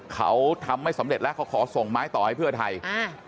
เขาทำไม่สำเร็จแล้วเขาขอส่งไม้ต่อให้เพื่อไทย